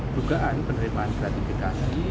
dugaan penerimaan gratifikasi